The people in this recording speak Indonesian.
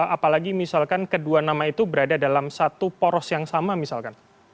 apalagi misalkan kedua nama itu berada dalam satu poros yang sama misalkan